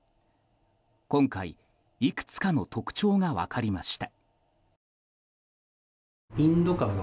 今回、いくつかの特徴が分かりました。